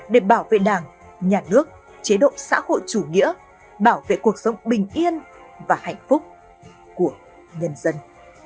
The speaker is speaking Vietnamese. để bảo vệ đảng nhà nước chế độ xã hội chủ nghĩa bảo vệ cuộc sống bình yên và hạnh phúc của nhân dân